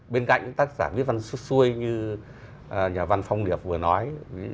bên cạnh tác giả viết văn suốt xuôi như nhà văn phong điệp vừa nói